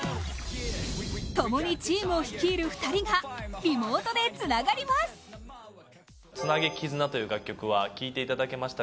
共にチームを率いる２人がリモートでつながります。